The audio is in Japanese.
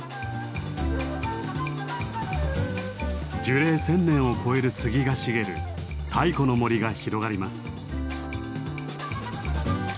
樹齢１，０００年を超える杉が茂る太古の森が広がります。